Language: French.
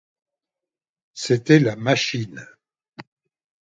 C’était la machine.